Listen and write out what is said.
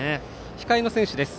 控えの選手です。